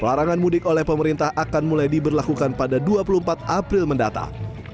larangan mudik oleh pemerintah akan mulai diberlakukan pada dua puluh empat april mendatang